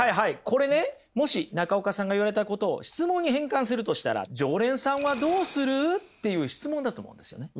これねもし中岡さんが言われたことを質問に変換するとしたら「常連さんはどうする？」っていう質問だと思うんですよね。